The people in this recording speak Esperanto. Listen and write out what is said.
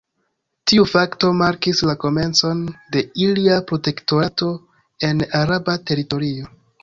Tiu fakto markis la komencon de ilia protektorato en araba teritorio.